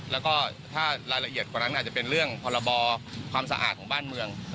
แล้วก็ถ้ารายละเอียดกว่านั้นอาจจะเป็นเรื่องพรบความสะอาดของบ้านเมือง